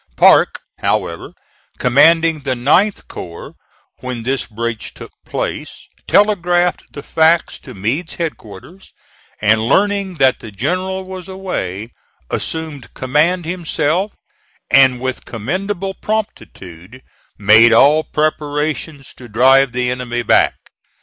Parke, however, commanding the 9th corps when this breach took place, telegraphed the facts to Meade's headquarters, and learning that the general was away, assumed command himself and with commendable promptitude made all preparations to drive the enemy back.